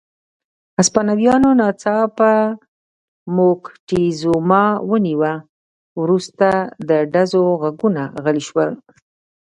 هسپانویانو ناڅاپه موکتیزوما ونیوه، وروسته د ډزو غږونه غلي شول.